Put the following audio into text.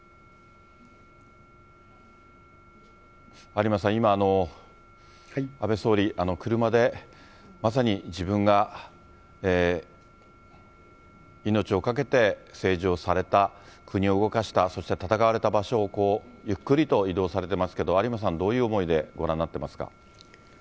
有馬さん、今、安倍総理、車でまさに自分が命を懸けて政治をされた、国を動かした、そして戦われた場所を、ゆっくりと移動されてますけど、有馬さん、どういう思いでご覧になっていますか。